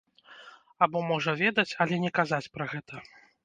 Або можа ведаць, але не казаць пра гэта.